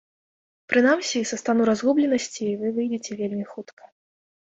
Прынамсі, са стану разгубленасці вы выйдзеце вельмі хутка.